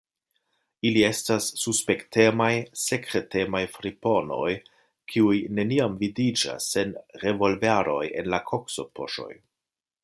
Ili estas suspektemaj, sekretemaj friponoj, kiuj neniam vidiĝas sen revolveroj en la koksopoŝoj.